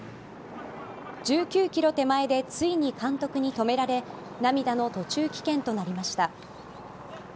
１９ｋｍ手前でついに監督に止められ涙の途中棄権となりました。